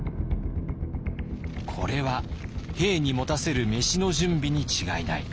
これは兵に持たせる飯の準備に違いない。